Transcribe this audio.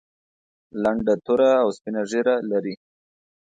لنډه توره او سپینه ږیره لري.